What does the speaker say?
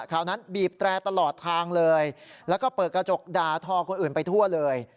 นั้นบีบแตรตลอดทางเลยแล้วก็เปิดกระจกด่าทอคนอื่นไปทั่วเลย